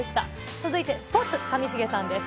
続いてスポーツ、上重さんです。